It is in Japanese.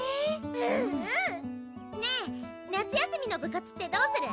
うんうんねぇ夏休みの部活ってどうする？